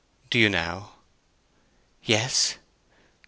"Do you now?" "Yes."